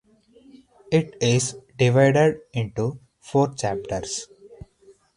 It is divided into four chapters.